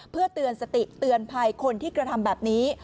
เพื่อเตือนสติเตือนภัยคนที่กระทำแบบนี้